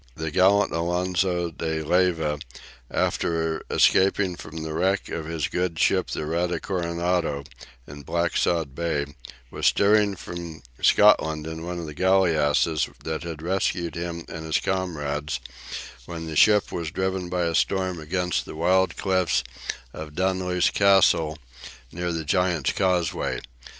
The gallant Alonso de Leyva, after escaping from the wreck of his good ship the "Rata Coronada" in Blacksod Bay, was steering for Scotland in one of the galleasses that had rescued him and his comrades, when the ship was driven by a storm against the wild cliffs of Dunluce Castle, near the Giant's Causeway.